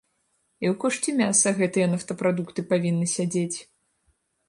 І ў кошце мяса гэтыя нафтапрадукты павінны сядзець.